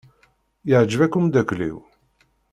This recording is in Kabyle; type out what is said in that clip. Iɛjeb-ak umeddakel-iw?